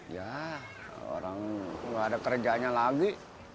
ya orang nggak ada kerjanya lagi